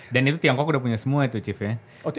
dan itu tiongkok udah punya semua itu chief ya